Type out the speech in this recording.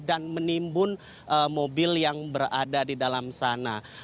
dan menimbun mobil yang berada di dalam sana